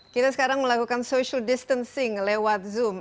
kita sekarang melakukan social distancing lewat zoom